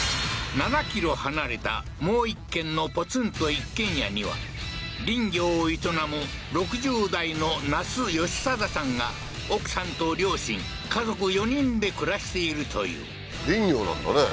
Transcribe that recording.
７ｋｍ離れたもう一軒のポツンと一軒家には林業を営む６０代のナスヨシサダさんが奥さんと両親家族４人で暮らしているという林業なんだね